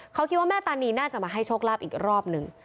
เขาคิดว่าแม่ตานีน่าจะมาให้โชคลาภอีกรอบหนึ่ง